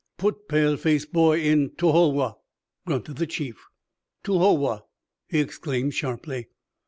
"Put pale face boy in to hol woh," grunted the chief. "To hol woh!" he exclaimed sharply.